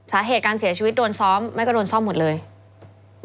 สาเหตุการเสียชีวิตโดนซ้อมแม่ก็โดนซ่อมหมดเลย